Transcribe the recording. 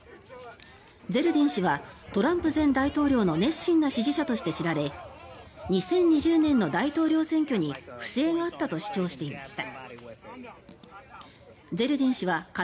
ゼルディン氏はトランプ前大統領の熱心な支持者として知られ２０２０年の大統領選挙に不正があったと主張していました。